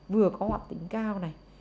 vừa có hoạt tính cao này